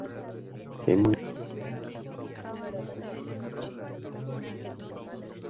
El municipio forma parte de la región fisiográfica Montañas del Norte.